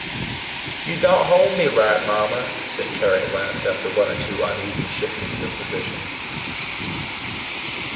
"You don't hold me right, Mamma," said Carry at last, after one or two uneasy shiftings of position.